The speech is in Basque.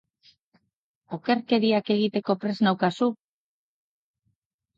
Okerkeriak egiteko prest naukazu!